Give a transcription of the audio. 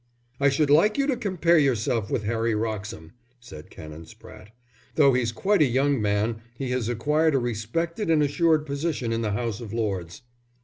"I should like you to compare yourself with Harry Wroxham," said Canon Spratte. "Though he's quite a young man, he has acquired a respected and assured position in the House of Lords."